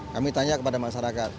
kami tanya kepada masyarakat